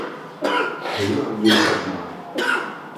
起碼要十萬